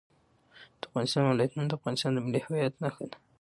د افغانستان ولايتونه د افغانستان د ملي هویت نښه ده.